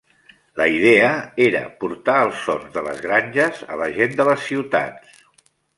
La idea era portar els sons de les granges a la gent de les ciutats.